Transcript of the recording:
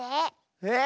えっ⁉